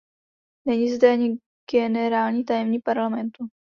Není zde ani generální tajemník Parlamentu.